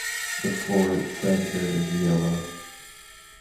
The floret centre is yellow.